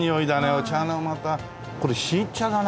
お茶のまたこれ新茶だな。